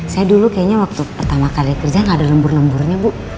saya dulu kayaknya waktu pertama kali kerja gak ada lembur lemburnya bu